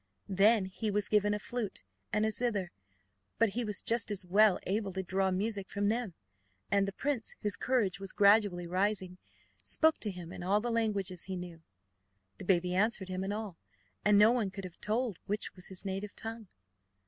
Then he was given a flute and a zither, but he was just as well able to draw music from them; and the prince, whose courage was gradually rising, spoke to him in all the languages he knew. The baby answered him in all, and no one could have told which was his native tongue!